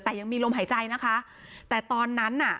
แต่ยังมีลมหายใจนะคะแต่ตอนนั้นน่ะ